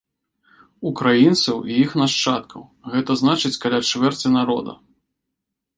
Украінцаў і іх нашчадкаў, гэта значыць каля чвэрці народа.